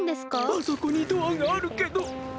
あそこにドアがあるけど。